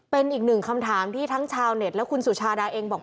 เป็นอีกหนึ่งคำถามที่ทั้งชาวเน็ตและคุณสุชาดาเองบอก